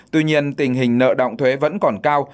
tuy nhiên tình hình nợ động thuế vẫn còn cao